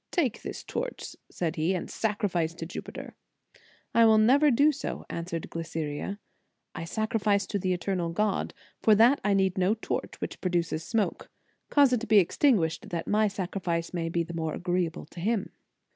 "Take this torch," said he, "and sacri fice to Jupiter." " I will never do so," an swered Glyceria. " I sacrifice to the eternal God ; for that I need no torch, which pro duces smoke. Cause it to be extinguished, that my sacrifice may be the more agreeable to Him."